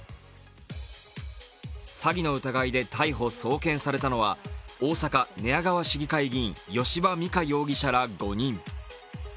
詐欺の疑いで逮捕・送検されたのは大阪府寝屋川市議会議員、吉羽美華容疑者ら５人。